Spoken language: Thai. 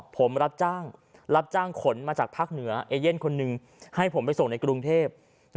ผมรับจ้างรับจ้างขนมาจากภาคเหนือเอเย่นคนหนึ่งให้ผมไปส่งในกรุงเทพ